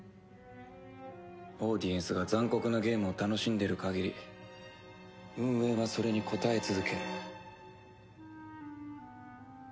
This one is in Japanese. オーディエンスが残酷なゲームを楽しんでる限り運営はそれに応え続ける。